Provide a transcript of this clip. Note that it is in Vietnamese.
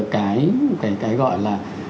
cái gọi là